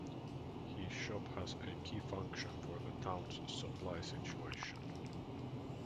His shop has a key function for the town's supply situation.